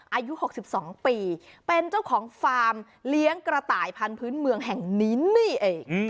อายุ๖๒ปีเป็นเจ้าของฟาร์มเลี้ยงกระต่ายพันธุ์เมืองแห่งนี้นี่เอง